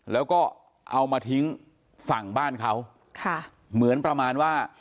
แล้วก็เอามาทิ้งฝั่งบ้านเขาค่ะเหมือนประมาณว่า